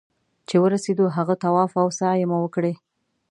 چې ورسېدو هغه طواف او سعيې مو وکړې.